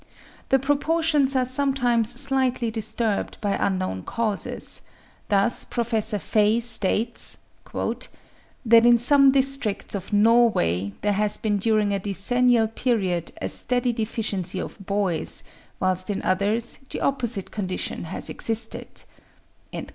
The proportions are sometimes slightly disturbed by unknown causes; thus Prof. Faye states "that in some districts of Norway there has been during a decennial period a steady deficiency of boys, whilst in others the opposite condition has existed."